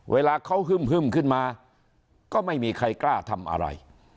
เวลาเขาฮึ่มขึ้นมาก็ไม่มีใครกล้าทำอะไร